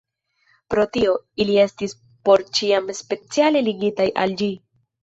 Pro tio, ili estis por ĉiam speciale ligitaj al ĝi.